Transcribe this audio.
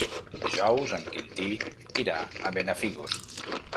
Dijous en Quintí irà a Benafigos.